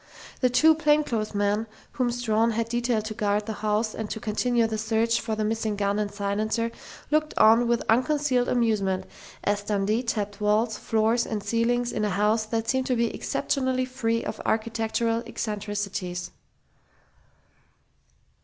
The two plainclothesmen whom Strawn had detailed to guard the house and to continue the search for the missing gun and silencer looked on with unconcealed amusement as Dundee tapped walls, floors and ceilings in a house that seemed to be exceptionally free of architectural eccentricities.